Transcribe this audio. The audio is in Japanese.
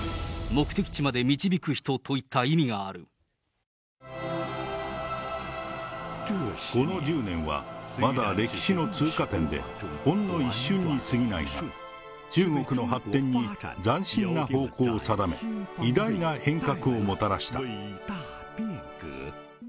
目的地まで導く人といった意味がこの１０年はまだ歴史の通過点で、ほんの一瞬にすぎないが、中国の発展に斬新な方向を定め、番組は３０分、全１６話。